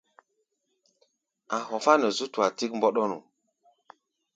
A̧ hɔfá̧ nɛ zú tua tík mbɔ́ɗɔ́nu.